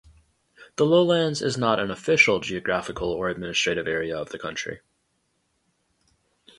The Lowlands is not an official geographical or administrative area of the country.